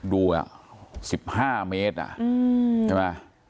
ดูอ่ะ๑๕เมตรอ่ะใช่ไหม